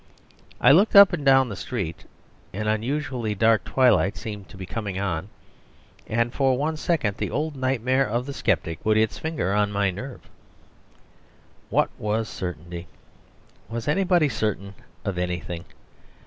I looked up and down the street; an unusually dark twilight seemed to be coming on. And for one second the old nightmare of the sceptic put its finger on my nerve. What was certainty? Was anybody certain of anything?